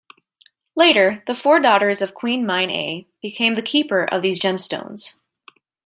Later, the four daughters of Queen Mine-a became the keeper of these gemstones.